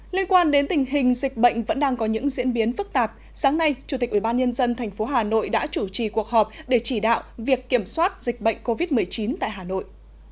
liên quan đến tình hình dịch bệnh vẫn đang có những diễn biến phức tạp sáng nay chủ tịch ủy ban nhân dân thành phố hà nội đã chủ trì cuộc họp để chỉ đạo việc kiểm soát dịch bệnh covid một mươi chín tại hà nội